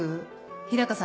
日高さん